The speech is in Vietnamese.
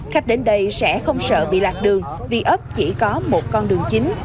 khách đến đây sẽ không sợ bị lạc đường vì ấp chỉ có một con đường chính